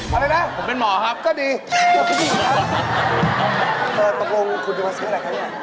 อะไรนะก็ดีผมเป็นหมอครับก็ดีครับปากลงคุณจะมาซื้ออะไรครับ